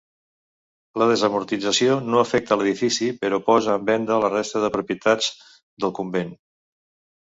La desamortització no afectà l'edifici, però posà en venda la resta de propietats del convent.